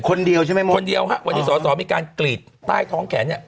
คนเดียวใช่ไหมหมดคนเดียวฮะวันนี้สอสอมีการกรีดใต้ท้องแขนเนี่ย